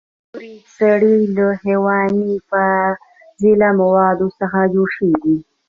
نورې سرې له حیواني فاضله موادو څخه جوړ شوي دي.